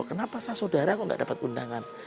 kenapa saudaraku enggak dapat undangan